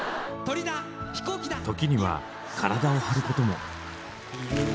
時には体を張ることも。